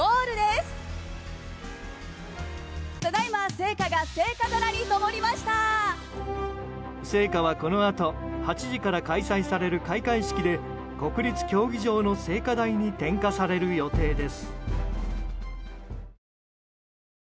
聖火はこのあと８時から開催される開会式で国立競技場の聖火台に点火される予定です。